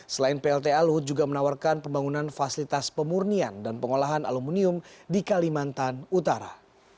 selain plta luhut juga menawarkan pembangunan fasilitas pemurnian dan pengolahan aluminium di kalimantan utara